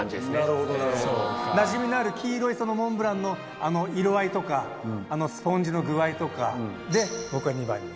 なじみのある黄色いそのモンブランの色合いとかスポンジの具合とかで僕は番に。